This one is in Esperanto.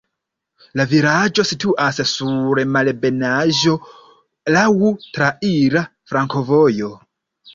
La vilaĝo situas sur malebenaĵo, laŭ traira flankovojo.